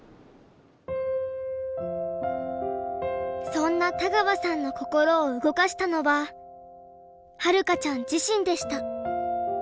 そんな田川さんの心を動かしたのははるかちゃん自身でした。